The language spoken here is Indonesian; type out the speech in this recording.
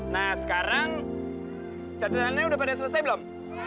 nah sekarang catatannya udah pada selesai belum